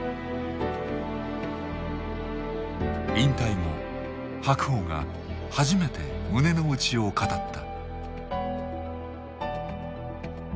引退後白鵬が初めて胸の内を語った。